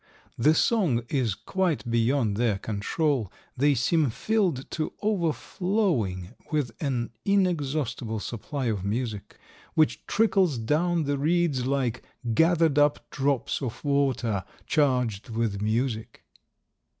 The song is quite beyond their control; they seem filled to overflowing with an inexhaustible supply of music, which trickles down the reeds, like gathered up drops of water charged with music.